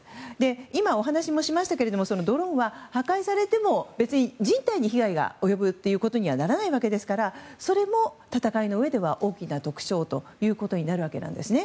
今、お話もしましたけれどもドローンは破壊されても別に人体に被害が及ぶことにならないわけですからそれも戦いのうえでは大きな特徴になるわけです。